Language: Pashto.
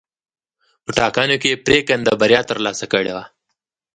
په ټاکنو کې یې پرېکنده بریا ترلاسه کړې وه.